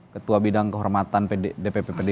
ketua bidang kehormatan dpp pdip